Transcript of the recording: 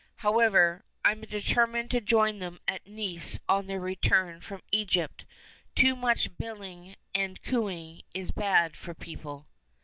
However, I'm determined to join them at Nice on their return from Egypt. Too much billing and cooing is bad for people."